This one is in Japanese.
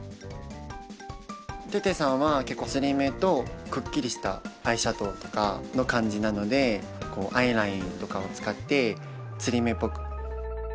テテさんは結構つり目とくっきりしたアイシャドーとかの感じなのでアイラインとかを使ってつり目っぽく。